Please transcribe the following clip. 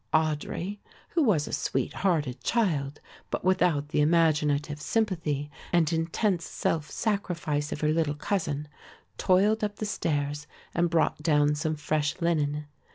Audry, who was a sweet hearted child but without the imaginative sympathy and intense self sacrifice of her little cousin, toiled up the stairs and brought down some fresh linen.